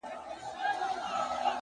چي په دنيا کي محبت غواړمه!